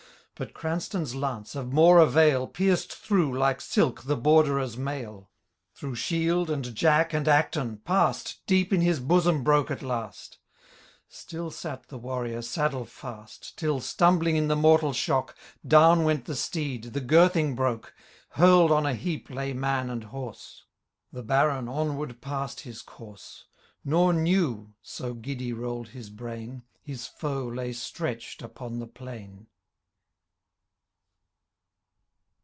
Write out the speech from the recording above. But Cranstoun^s lance, of more ayail. Pierced through, like silk, the Borderer's mail ; Through shield, and jack, and acton, past. Deep in his bosom broke at last Still sate the warrior saddle fast. Till, stumbling in the mortal shock, Down went the steed, the girthing broke, HurPd on a heap lay man and horse. The Baron onward passed his course ; Nor knew — so giddy rolled his brain — His foe lay stretch''d upon the plain.